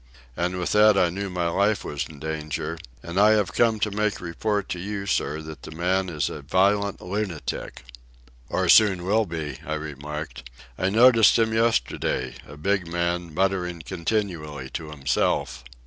And with that I knew my life was in danger, and I have come to make report to you, sir, that the man is a violent lunatic.' "Or soon will be," I remarked. "I noticed him yesterday, a big man muttering continually to himself?"